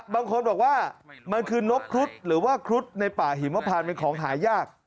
บางคนบอกว่ามันคือนกครุฑหรือว่าครุฑในป่าหิมพานเป็นของหายาก